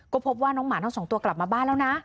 ก็พบว่าน้องหมาทั้งสองตัวกลับมาบ้านแล้วนะ